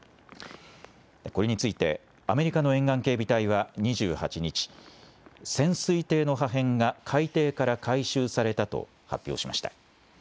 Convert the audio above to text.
これについてアメリカの沿岸警備隊は、２８日潜水艇の破片が海底から回収されたと発表しました。